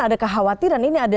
ada kekhawatiran ini